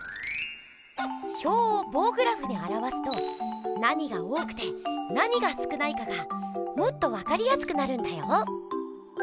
表をぼうグラフにあらわすと何が多くて何が少ないかがもっとわかりやすくなるんだよ。